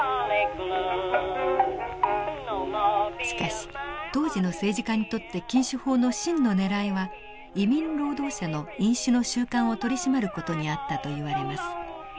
しかし当時の政治家にとって禁酒法の真のねらいは移民労働者の飲酒の習慣を取り締まる事にあったといわれます。